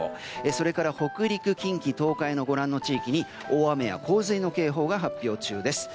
それから北陸、近畿、東海のご覧の地域に大雨や洪水の警報が発表中です。